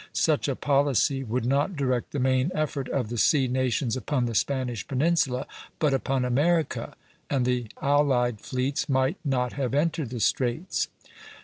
Such a policy would not direct the main effort of the sea nations upon the Spanish peninsula, but upon America; and the allied fleets might not have entered the Straits.